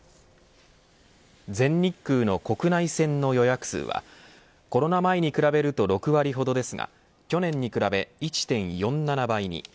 全日空の国内線の予約数はコロナ前に比べると６割ほどですが去年に比べ１．４７倍に。